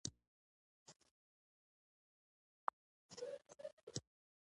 دا منځپانګې په رښتینې بڼه هم اړولای شي